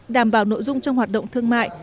đảm bảo nội dung trong hoạt động thương mại